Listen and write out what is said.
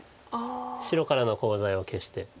白からのコウ材を消して。